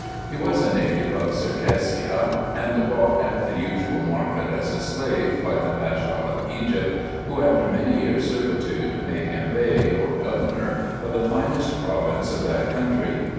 He was a native of Circassia, and bought at the usual market as a slave, by the Bashaw of Egypt, who, after many years' servitude, made him Bey, or governor, of the finest province of that country.